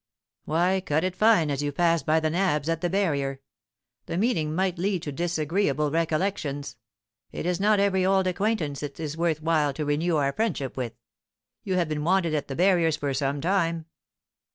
"Why, cut it fine as you pass by the 'nabs' at the barrier; the meeting might lead to disagreeable recollections. It is not every old acquaintance it is worth while to renew our friendship with. You have been wanted at the barriers for some time."